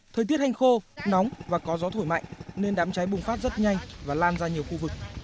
thời tiết hành khô nóng và có gió thổi mạnh nên đám cháy bùng phát rất nhanh và lan ra nhiều khu vực